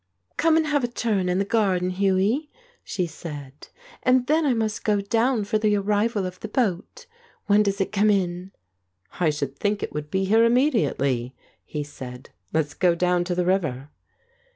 "Come and have a turn in the garden, Hughie," she said, "and then I must go down for the arrival of the boat. When does it come in?" "I should think it would be here immediately," he said. "Let's go down to the river."